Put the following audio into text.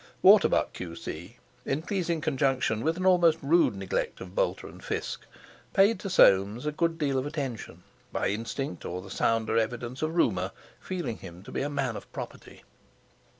Waterbuck, Q.C., in pleasing conjunction with an almost rude neglect of Boulter and Fiske paid to Soames a good deal of attention, by instinct or the sounder evidence of rumour, feeling him to be a man of property.